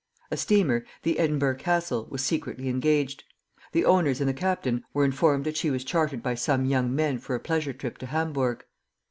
A steamer, the "Edinburgh Castle," was secretly engaged. The owners and the captain were informed that she was chartered by some young men for a pleasure trip to Hamburg.